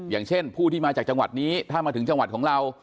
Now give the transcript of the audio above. อย่างเช่นผู้ที่มาจากจังหวัดนี้ถ้ามาถึงจังหวัดของเรา